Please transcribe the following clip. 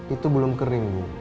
itu belum kering bu